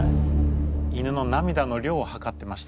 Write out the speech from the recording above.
犬の涙の量を量ってました。